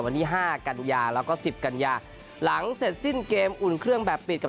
วันที่ห้ากันยาแล้วก็สิบกันยาหลังเสร็จสิ้นเกมอุ่นเครื่องแบบปิดกับ